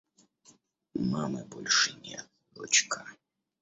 Мамы больше нет, дочка.